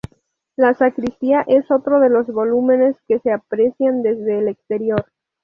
La sacristía es otro de los volúmenes que se aprecian desde el exterior.